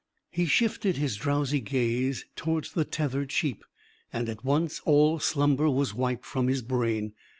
He shifted his drowsy gaze towards the tethered sheep. And at once all slumber was wiped from his brain.